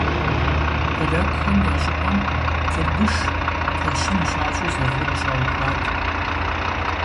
Полякхэм а щӏыпӏэм чырбыш, кхъуэщын щащӏу завод щаухуат.